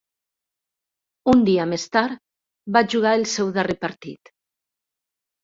Un dia més tard, va jugar el seu darrer partit.